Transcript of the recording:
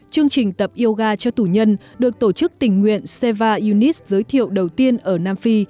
chương trình tập yoga cho tù nhân được tổ chức tình nguyện seva unis giới thiệu đầu tiên ở nam phi